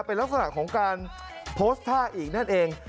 เป็นลักษณะของการโพสต์ท่าอีกนั่นเอง